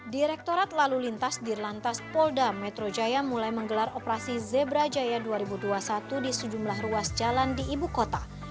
direktorat lalu lintas dirlantas polda metro jaya mulai menggelar operasi zebra jaya dua ribu dua puluh satu di sejumlah ruas jalan di ibu kota